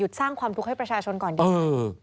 สร้างความทุกข์ให้ประชาชนก่อนดี